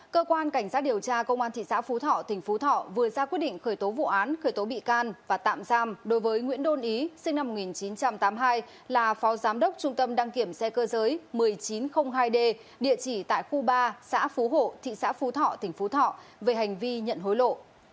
cơ quan cảnh sát điều tra công an thị xã phú thọ tỉnh phú thọ vừa ra quyết định khởi tố vụ án khởi tố bị can và tạm giam đối với nguyễn đôn ý sinh năm một nghìn chín trăm tám mươi hai là phó giám đốc trung tâm đăng kiểm xe cơ giới một nghìn chín trăm linh hai d địa chỉ tại khu ba xã phú hộ thị xã phú thọ tỉnh phú thọ về hành vi nhận hối lộ